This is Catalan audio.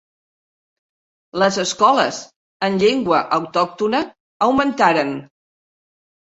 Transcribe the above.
Les escoles -en llengua autòctona- augmentaren.